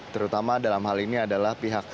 terutama dalam hal ini adalah pihak